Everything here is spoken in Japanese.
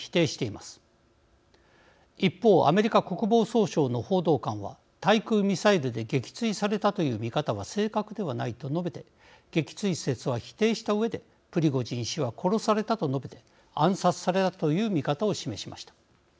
一方アメリカ国防総省の報道官は対空ミサイルで撃墜されたという見方は正確ではないと述べて撃墜説は否定したうえでプリゴジン氏は殺されたと述べて暗殺されたという見方を示しました。